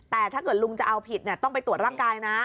แต่ถ้าเกิดลุงจะเอาผิดต้องไปตรวจร่างกายนะ